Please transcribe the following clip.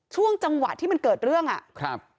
ช่วงจังหวะที่มันเกิดเรื่องอ่ะครับ